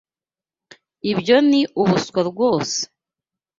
Ibyo ni ubuswa rwose!